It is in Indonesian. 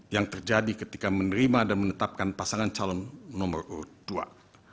yang terjadi ketika menerima dan menetapkan pasangan calon nomor urut dua